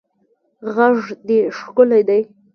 غږ دې ښکلی دی